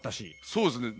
そうですね。